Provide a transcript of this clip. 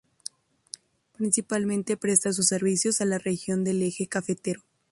Principalmente presta sus servicios a la región del Eje cafetero.